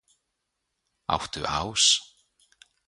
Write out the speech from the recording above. Áttu ás?